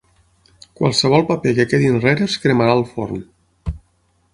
Qualsevol paper que quedi enrere es cremarà al forn.